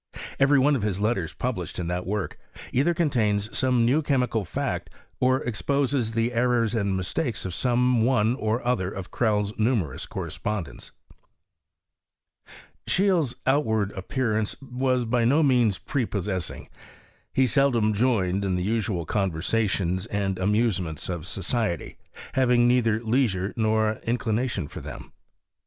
Every one of his letters published in that work either contains some new chemical fact, or exposes the errors and mistakes of some one or other of Crell's numerous corre spondents. Scheele's outward appearance was by no means prepossessing. He seldom joined in the usual con versations and amusements of society, having neither leisure nor inclination for them.